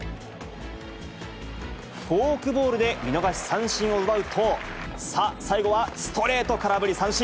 フォークボールで見逃し三振を奪うと、さあ、最後はストレート、空振り三振。